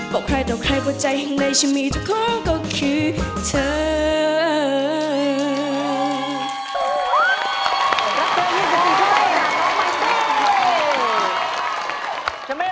บอกให้ต่อใครก็ใจให้ให้ฉันมีทุกของก็คือเธอ